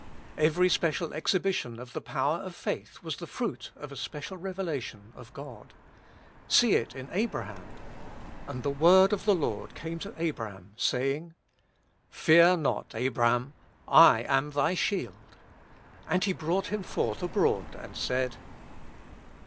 Every special exhibition of the power of faith was the fruit of a special revelation of God. See it in Abraham: "And the zu or d of the Lord came unto Abram, saying. Fear not, Abram; / am thy shield. And He broicght him forth abroad, and said